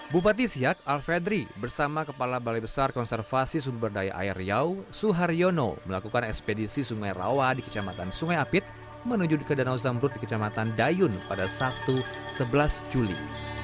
bupati siak alfedri bersama kepala balai besar konservasi sumber daya air riau suharyono melakukan ekspedisi sungai rawa di kecamatan sungai apit menuju ke danau zamrut di kecamatan dayun pada sabtu sebelas juli